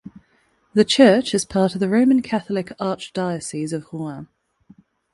The church is part of the Roman Catholic Archdiocese of Rouen.